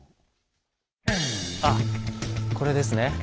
あっこれですね。